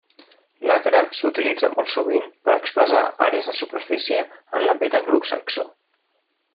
L'acre s'utilitza molt sovint per expressar àrees de superfície en l'àmbit anglosaxó.